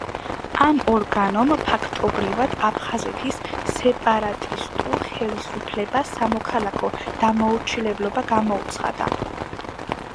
ამ ორგანომ, ფაქტობრივად, აფხაზეთის სეპარატისტულ ხელისუფლებას სამოქალაქო დაუმორჩილებლობა გამოუცხადა.